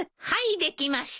できました！